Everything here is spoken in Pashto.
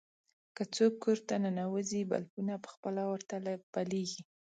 که څوک کور ته ننوځي، بلپونه په خپله ورته بلېږي.